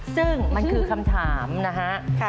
ซึ่งมันคือคำถามนะฮะ